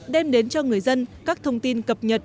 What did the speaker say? đem đến cho người dân các thông tin cập nhật